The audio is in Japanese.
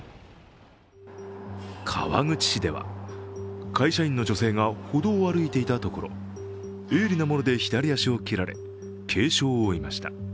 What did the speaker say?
川口市では、会社員の女性が歩道を歩いていたところ、鋭利なもので左足を切られ軽傷を負いました。